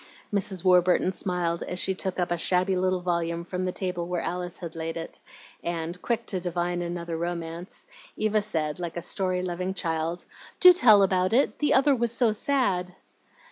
Mrs. Warburton smiled as she took up a shabby little volume from the table where Alice had laid it, and, quick to divine another romance, Eva said, like a story loving child, "Do tell about it! The other was so sad."